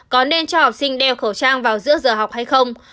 có nên cho học sinh đeo khẩu trang vào giữa giờ học hay không